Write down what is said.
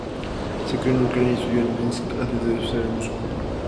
Se crio en Ucrania y estudió en Minsk antes de establecerse en Moscú.